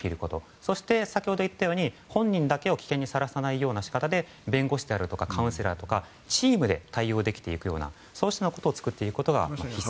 そして、先ほど言ったように本人だけを危険にさらさないような仕方で弁護士とかカウンセラーとかチームで対応できていくようなことを作ることです。